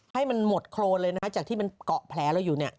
ให้มันหมดโครนเลยนะจากที่มันเกาะแผลเราอยู่เนี่ย